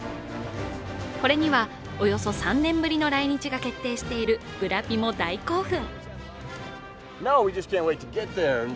これには、およそ３年ぶりの来日が決定しているブラピも大興奮。